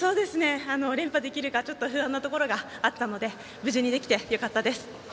連覇できるか不安なところがあったので無事にできてよかったです。